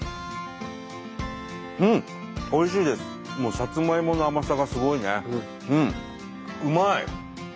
さつまいもの甘さがすごいね。